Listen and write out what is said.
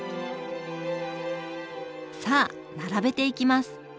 さあ並べていきます。